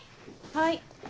はい。